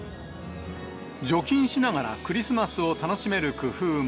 除菌しながらクリスマスを楽しめる工夫も。